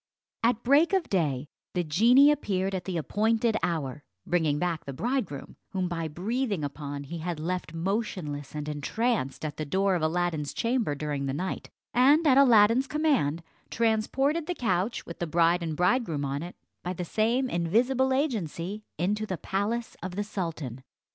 At break of day, the genie appeared at the appointed hour, bringing back the bridegroom, whom by breathing upon he had left motionless and entranced at the door of Aladdin's chamber during the night, and at Aladdin's command transported the couch with the bride and bridegroom on it, by the same invisible agency, into the palace of the sultan.